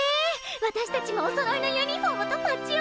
私たちもおそろいのユニフォームとパッチを作ろう！